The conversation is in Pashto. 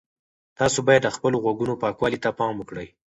تاسي باید د خپلو غوږونو پاکوالي ته پام وکړئ.